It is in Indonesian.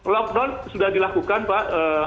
lockdown sudah dilakukan pak